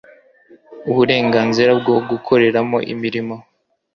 uburenganzira bwo gukoreramo imirimo